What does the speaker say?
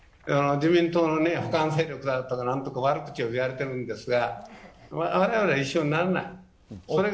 自民党のほかの勢力だとか悪口を言われてるんですがわれわれは一緒にならない。